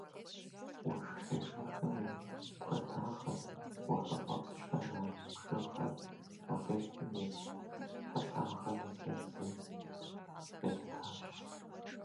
Уэшх къежэхым и куэдагъыр, уафэхъуэпскӏхэм я бжыгъэр, уэ къехым и хьэлъагъыр зыр зым елъытащ.